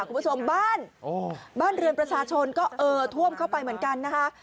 คุณผู้ชมบ้านบ้านเรือนประชาชนก็เออท่วมเข้าไปเหมือนกันนะคะ